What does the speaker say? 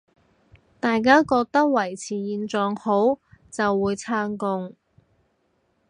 大家覺得維持現狀好，就會撐共